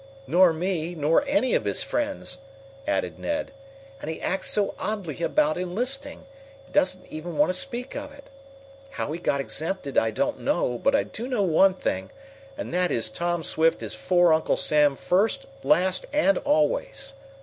"Nor me, nor any of his friends," added Ned. "And he acts so oddly about enlisting doesn't want even to speak of it. How he got exempted I don't know, but I do know one thing, and that is Tom Swift is for Uncle Sam first, last and always!"